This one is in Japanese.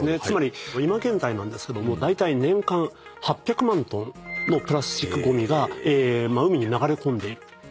つまり今現在なんですけどもだいたい年間８００万ｔのプラスチックごみが海に流れ込んでいる。